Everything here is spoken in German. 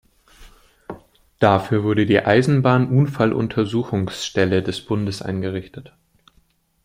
Dafür wurde die Eisenbahn-Unfalluntersuchungsstelle des Bundes eingerichtet.